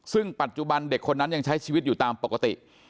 ซึ่งปัจจุบันเด็กคนนั้นยังใช้ชีวิตอยู่ตามปกติ